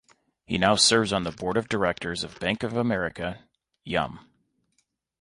He now serves on the Board of Directors of Bank of America, Yum!